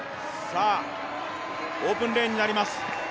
オープンレーンになります。